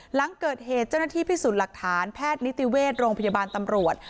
หลังเกิดเหตุเจ้าหน้าที่พิสูจน์หลักฐานแพทย์นิติเวชโรงพยาบาลตำรวจ